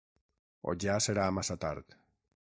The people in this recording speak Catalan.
O ja serà massa tard.